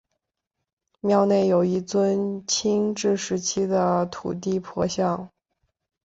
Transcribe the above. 庙内有一尊清治时期的土地婆像。